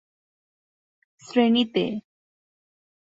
তখন তিনি অষ্টম শ্রেণীতে পড়তেন।